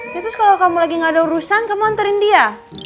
terus kalau kamu lagi gak ada urusan kamu antarin dia